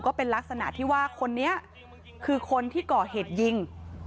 ก็เป็นลักษณะที่ว่าคนนี้คือคนที่ก่อเหตุยิง